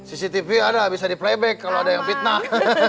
cctv ada bisa di playback kalo ada yang fitnah